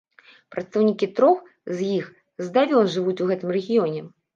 Прадстаўнікі трох з іх здавён жывуць у гэтым рэгіёне.